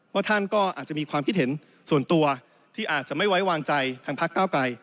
ท่านก็อาจจะมีความคิดเห็นส่วนตัวที่อาจจะไม่ไว้วางใจทางพักเก้าไกร